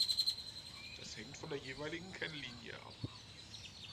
Das hängt von der jeweiligen Kennlinie ab.